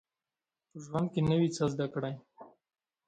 په ژوند کي نوی څه زده کړئ